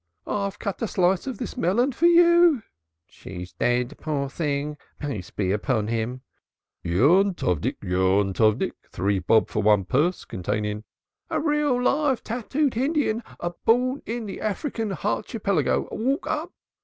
"I'll cut a slice of this melon for you for " "She's dead, poor thing, peace be upon him." "Yontovdik! Three bob for one purse containing " "The real live tattooed Hindian, born in the African Harchipellygo. Walk up."